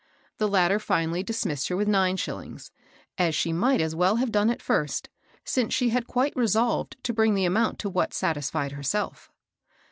The latter finally dismissed her with nine shillings, as she might as well have done at first, since she had quite resolved to bring the amount to what satisfied herself.